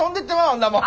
んなもん。